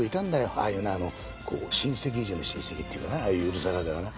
ああいうね親戚以上に親戚っていうかなああいううるさ型がな。